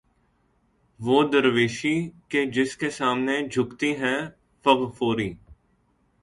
وہ درویشی کہ جس کے سامنے جھکتی ہے فغفوری